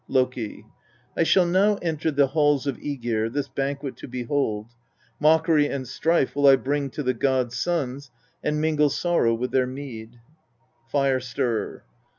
Loki. 3. I shall now enter the halls of JEgir this banquet to behold : mockery and strife will I bring to the god's sons, and mingle sorrow with their mead. Fire stirrer.